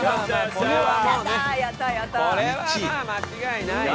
これはまあ間違いない。